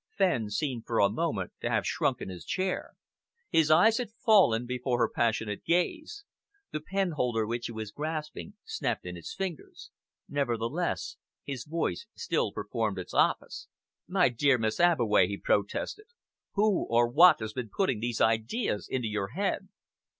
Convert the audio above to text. Fenn seemed for a moment to have shrunk in his chair. His eyes had fallen before her passionate gaze. The penholder which he was grasping snapped in his fingers. Nevertheless, his voice still performed its office. "My dear Miss Abbeway," he protested, "who or what has been putting these ideas into your head?"